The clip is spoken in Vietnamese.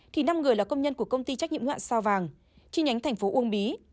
thì năm người là công nhân của công ty trách nhiệm hoạn sao vàng chi nhánh thành phố uông bí